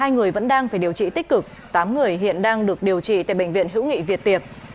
hai người vẫn đang phải điều trị tích cực tám người hiện đang được điều trị tại bệnh viện hữu nghị việt tiệp